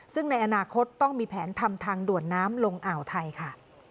ซึ่งในอนาคตต้องมีแผนทำทางด่วนน้ำลงอ่าวไทยค่ะ